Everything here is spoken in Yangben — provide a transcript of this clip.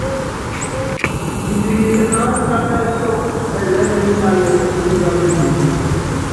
Kisikilɛ aánsanɛ́ sɔ́kɔ́ ɛɛlɛɛ́ muúŋayɔ́, pútipá peseé.